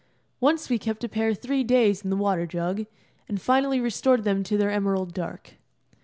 Once we kept a pair three days in the water jug, and finally restored them to their emerald dark.